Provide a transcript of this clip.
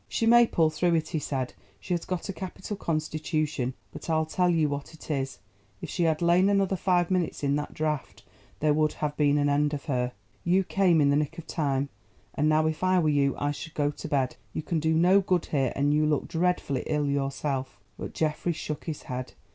"She may pull through it," he said, "she has got a capital constitution; but I'll tell you what it is—if she had lain another five minutes in that draught there would have been an end of her. You came in the nick of time. And now if I were you I should go to bed. You can do no good here, and you look dreadfully ill yourself." But Geoffrey shook his head.